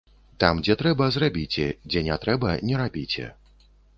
Там, дзе трэба, зрабіце, дзе не трэба, не рабіце.